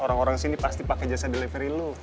orang orang sini pasti pake jasa delivery lu